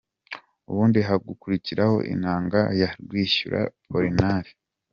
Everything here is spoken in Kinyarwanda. Ubundi hagakurikiraho inanga ya Rwishyura Polinari.